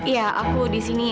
ya aku disini